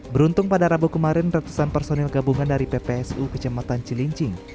beruntung pada rabu kemarin ratusan personil gabungan dari ppsu kecamatan cilincing